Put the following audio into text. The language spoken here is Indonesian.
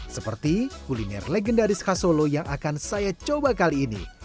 seperti kuliner legendaris khas solo yang akan saya coba kali ini